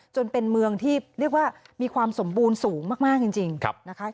จนเป็นเมืองที่เรียกว่ามีความสมบูรณ์สูงมากจริงนะคะ